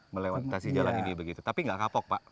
melewati jalan ini begitu tapi nggak kapok pak